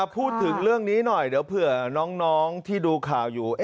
พูดถึงเรื่องนี้หน่อยเดี๋ยวเผื่อน้องที่ดูข่าวอยู่